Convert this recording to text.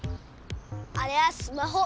あれはスマホ。